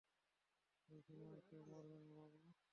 এই সিনেমায় কেউ মরবে না, বাবা।